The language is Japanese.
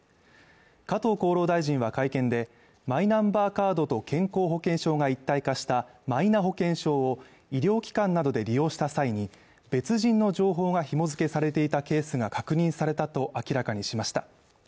加藤厚労大臣は会見で、マイナンバーカードと健康保険証が一体化したマイナ保険証を医療機関などで利用した際に別人の情報が紐づけされていたケースが確認されたと明らかにしました。